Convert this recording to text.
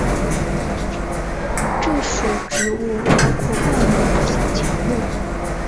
这属植物包括灌木和小乔木。